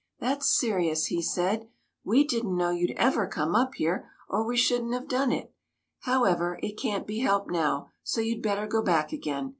" That 's serious," he said. " We did n't know you 'd ever come up here^ or we should n't have done it. However, it can't be helped now, so you 'd better go back again.